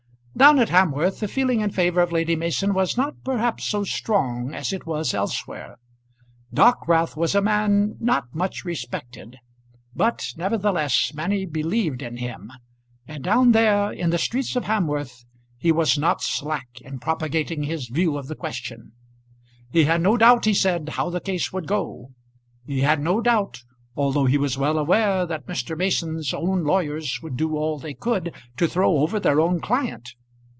Down at Hamworth the feeling in favour of Lady Mason was not perhaps so strong as it was elsewhere. Dockwrath was a man not much respected, but nevertheless many believed in him; and down there, in the streets of Hamworth, he was not slack in propagating his view of the question. He had no doubt, he said, how the case would go. He had no doubt, although he was well aware that Mr. Mason's own lawyers would do all they could to throw over their own client.